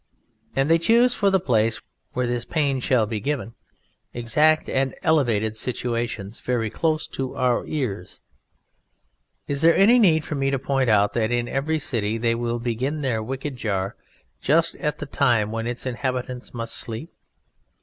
And They choose for the place where this pain shall be given, exact and elevated situations, very close to our ears. Is there any need for me to point out that in every city they will begin their wicked jar just at the time when its inhabitants must sleep?